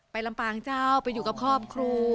ลำปางเจ้าไปอยู่กับครอบครัว